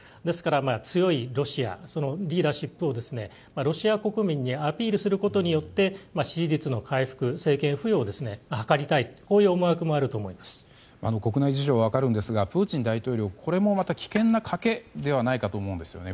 ですから、強いロシアそのリーダーシップをロシア国民にアピールすることによって支持率の回復政権浮揚を図りたいという思惑も国内事情は分かるんですがプーチン大統領、これも危険な賭けではないかと思うんです。